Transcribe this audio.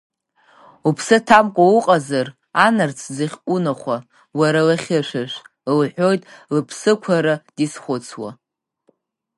Уԥсы ҭамкәа уҟазар, анарцә ӡыхьк унахәа, уара лахьышәашә, – лҳәоит лыԥсықәара дизхәыцуа.